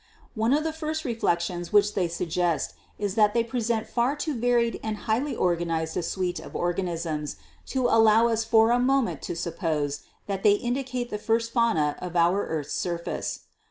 One of the first reflections which they suggest is that they present far too varied and highly organized a suite of organisms to allow us for a moment to suppose that they indicate the first fauna of our earth's surface.